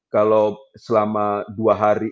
kalau selama dua hari